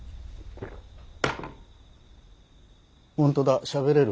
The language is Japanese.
本当だしゃべれる。